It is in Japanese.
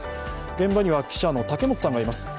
現場には記者の竹本さんがいます。